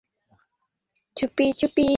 অন্ধকারে চুপি চুপি মেয়েদের দেখে?